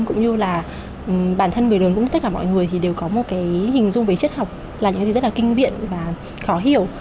cũng như là bản thân người lớn cũng như tất cả mọi người thì đều có một cái hình dung về triết học là những gì rất là kinh viện và khó hiểu